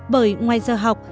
bởi ngoài giờ học